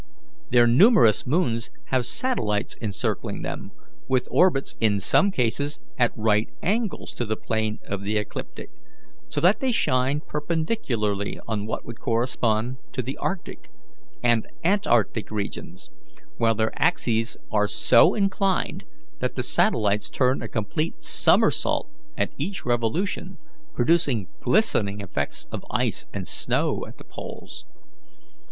Their numerous moons have satellites encircling them, with orbits in some cases at right angles to the plane of the ecliptic, so that they shine perpendicularly on what correspond to the arctic and antarctic regions, while their axes are so inclined that the satellites turn a complete somersault at each revolution, producing glistening effects of ice and snow at the poles.